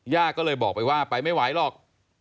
ย่าก็เลยบอกไปว่าไปไม่ไหวหรอก